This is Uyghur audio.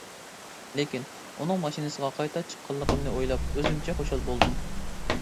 لېكىن ئۇنىڭ ماشىنىسىغا قايتا چىققانلىقىمنى ئويلاپ، ئۆزۈمچە خۇشال بولدۇم.